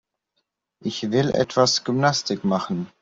Ich will etwas Gymnastik machen.